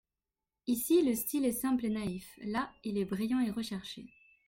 Ici, le style est simple et naïf ; là, il est brillant et recherché.